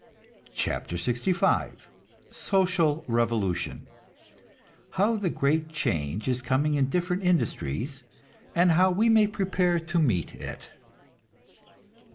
CHAPTER LXV SOCIAL REVOLUTION (How the great change is coming in different industries, and how we may prepare to meet it.)